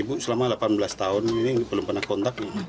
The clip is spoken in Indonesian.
ibu selama delapan belas tahun ini belum pernah kontak